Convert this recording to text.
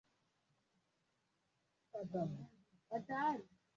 Castro alipanga shambulio dhidi ya kituo cha kijeshi cha Moncada akaribu na Santiago